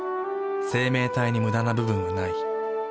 生命体にムダな部分はない。